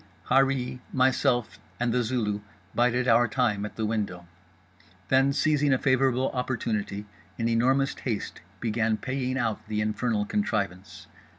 Harree, myself and The Zulu bided our time at the window—then seizing a favourable opportunity, in enormous haste began paying out the infernal contrivance.